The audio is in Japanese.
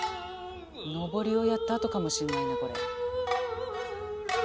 上りをやったあとかもしんないなこれ。